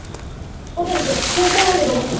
ホテルとか健康ランドとか。